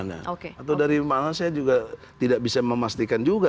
atau dari mana saya juga tidak bisa memastikan juga